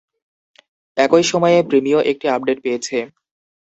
একই সময়ে প্রিমিও একটি আপডেট পেয়েছে।